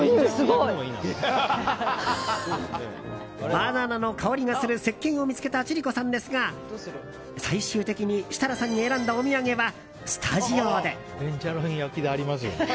バナナの香りがするせっけんを見つけた千里子さんですが最終的に設楽さんに選んだお土産はスタジオで。